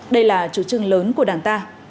đây là chủ trương lớn của đảng ta